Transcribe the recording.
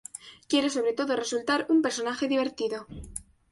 Quiere sobre todo resultar un personaje divertido.